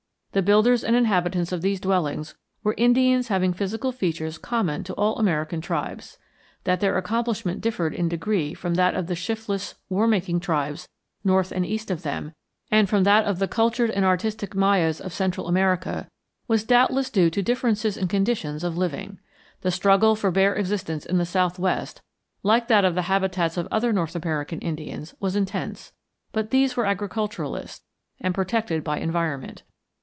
The builders and inhabitants of these dwellings were Indians having physical features common to all American tribes. That their accomplishment differed in degree from that of the shiftless war making tribes north and east of them, and from that of the cultured and artistic Mayas of Central America, was doubtless due to differences in conditions of living. The struggle for bare existence in the southwest, like that of the habitats of other North American Indians, was intense; but these were agriculturalists and protected by environment.